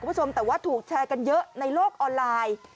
คุณผู้ชมแต่ว่าถูกแชร์กันเยอะในโลกออนไลน์